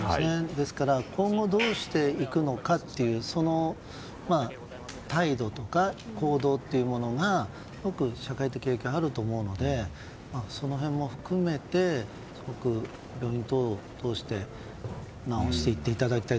ですから今後どうしていくのかその態度とか行動というものが社会的影響があると思うのでその辺も含めて、病院等を通して治していっていただきたい。